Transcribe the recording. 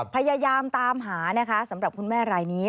พยายามตามหานะคะสำหรับคุณแม่รายนี้